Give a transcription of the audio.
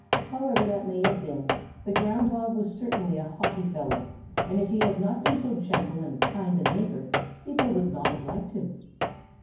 However that may have been, the Ground Hog was certainly a haughty fellow, and if he had not been so gentle and kind a neighbor people would not have liked him.